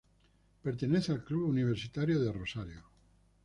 Pertenece al Club Universitario de Rosario.